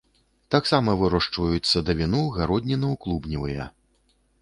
Таксама вырошчваюць садавіну, гародніну, клубневыя.